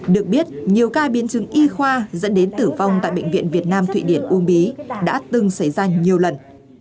được biết nhiều ca biến chứng y khoa dẫn đến tử vong tại bệnh viện việt nam thụy điển uông bí đã từng xảy ra nhiều lần